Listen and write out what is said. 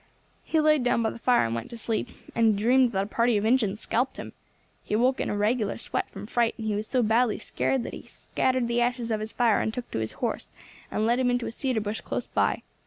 He laid down by the fire and went to sleep, and he dreamed that a party of Injins scalped him. He woke in a regular sweat from fright, and he was so badly scared that he scattered the ashes of his fire and took to his horse, and led him into a cedar bush close by.